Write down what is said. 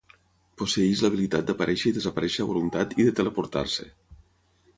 Posseeix l'habilitat d'aparèixer i desaparèixer a voluntat i de teleportar-se.